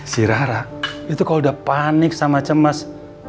si rara itu kalau udah panik sama cemas